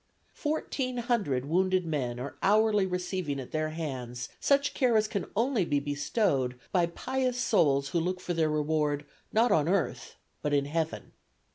Fourteen hundred wounded men are hourly receiving at their hands such care as can only be bestowed by pious souls who look for their reward not on earth but in heaven.